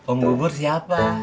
om bubur siapa